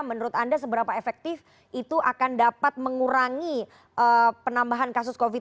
menurut anda seberapa efektif itu akan dapat mengurangi penambahan kasus covid sembilan belas